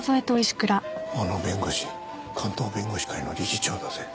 あの弁護士関東弁護士会の理事長だぜ。